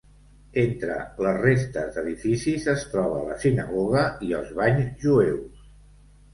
Entre les restes d'edificis es troba la sinagoga i els banys jueus.